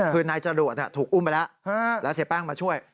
คือนายจรวดถูกอุ้มไปแล้วแล้วเสียแป้งมาช่วย